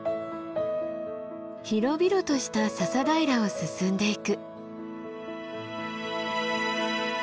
広々とした笹平を進んでいく。